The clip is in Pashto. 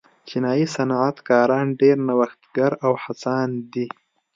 چینايي صنعتکاران ډېر نوښتګر او هڅاند دي.